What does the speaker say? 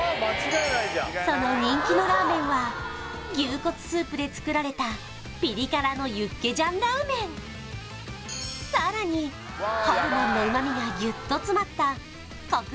その人気のラーメンは牛骨スープで作られたピリ辛のさらにホルモンの旨味がギュッと詰まった